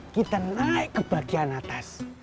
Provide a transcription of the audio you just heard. kita naik ke bagian atas